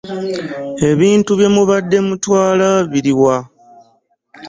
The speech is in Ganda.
Ebintu bye mubadde mutwala biri wa?